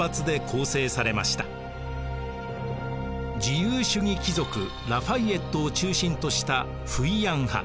自由主義貴族ラ・ファイエットを中心としたフイヤン派。